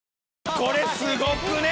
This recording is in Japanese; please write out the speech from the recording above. これすごくね？